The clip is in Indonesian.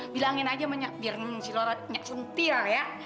bilangin aja mami ya biar si laura nyak suntil ya